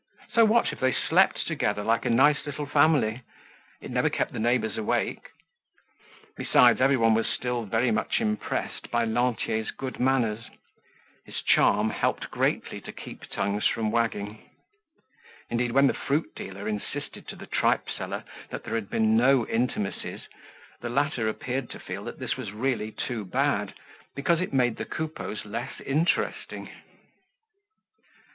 So what if they slept together like a nice little family. It never kept the neighbors awake. Besides, everyone was still very much impressed by Lantier's good manners. His charm helped greatly to keep tongues from wagging. Indeed, when the fruit dealer insisted to the tripe seller that there had been no intimacies, the latter appeared to feel that this was really too bad, because it made the Coupeaus less interesting.